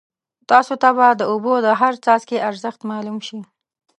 تاسو ته به د اوبو د هر څاڅکي ارزښت معلوم شي.